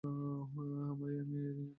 আমার ইয়াং-এর ইয়িন!